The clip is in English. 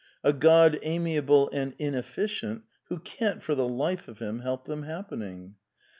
A God, amiable and ineflScient, who can't, for the life of him, help them happening.